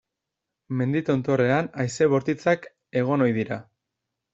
Mendi tontorrean haize bortitzak egon ohi dira.